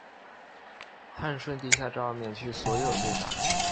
汉顺帝下诏免去所有罪罚。